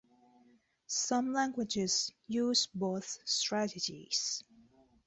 Some languages use both strategies.